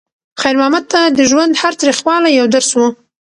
خیر محمد ته د ژوند هر تریخوالی یو درس و.